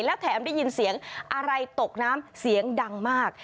แล้วแถมได้ยินเสียงอะไรตกน้ำเสียงดังมาก